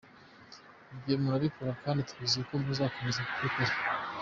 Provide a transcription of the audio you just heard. Ibyo murabikora kandi twizeye ko muzakomeza kubikora.